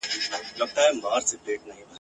د غوايی په غاړه ولي زنګوله وي ..